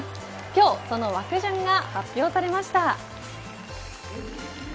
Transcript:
今日その枠順が発表されました。